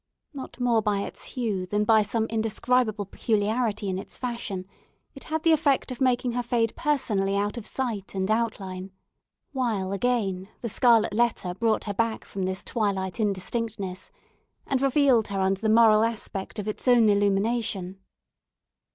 Not more by its hue than by some indescribable peculiarity in its fashion, it had the effect of making her fade personally out of sight and outline; while again the scarlet letter brought her back from this twilight indistinctness, and revealed her under the moral aspect of its own illumination.